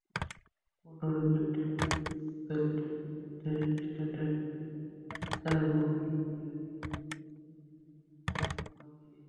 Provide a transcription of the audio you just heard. অন্যদিকে ডেমোক্র্যাটদের মধ্যে স্যান্ডার্স চার ভোট পেলেও হিলারি কোনো ভোট পাননি।